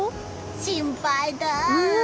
心配だ！